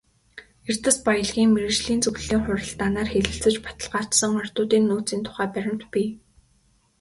Эрдэс баялгийн мэргэжлийн зөвлөлийн хуралдаанаар хэлэлцэж баталгаажсан ордуудын нөөцийн тухай баримт бий.